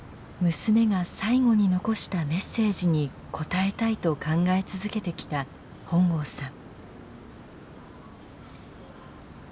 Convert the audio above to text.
娘が最期に遺したメッセージに応えたいと考え続けてきた本郷さん。